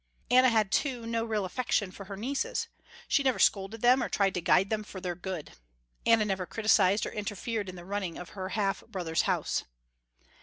Anna had too, no real affection for her nieces. She never scolded them or tried to guide them for their good. Anna never criticised or interfered in the running of her half brother's house.